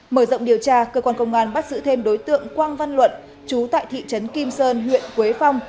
mở rộng điều tra cơ quan công an bắt giữ thêm đối tượng quang văn luận chú tại thị trấn kim sơn huyện quế phong